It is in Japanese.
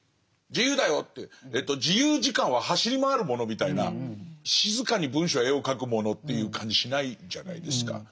自由だよって自由時間は走り回るものみたいな静かに文章や絵をかくものっていう感じしないじゃないですか。